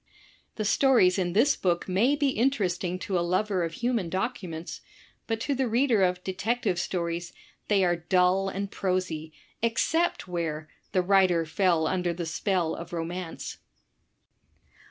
'* The stories in this book may be interesting to a lover of human documents, but to the reader of "Detective Stories, they are dull and prosy, eoccept where " the writer fell imder the spell of romance.